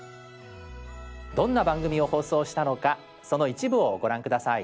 どんな番組を放送したのかその一部をご覧下さい。